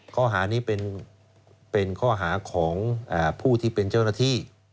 ข้อหานี้เป็นข้อหาของผู้ที่เป็นเจ้าหน้าที่